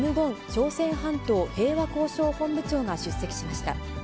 朝鮮半島平和交渉本部長が出席しました。